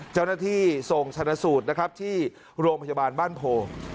เจ้าหน้าที่ส่งชนะสูตรนะครับที่โรงพยาบาลบ้านโพ